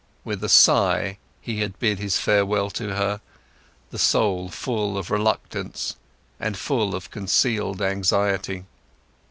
With a sigh, he had bid his farewell to her, the soul full of reluctance, and full of concealed anxiety.